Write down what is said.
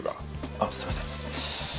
あっすいません。